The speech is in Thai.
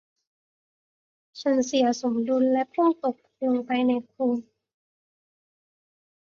ฉันเสียสมดุลและพุ่งตกลงไปในโคลน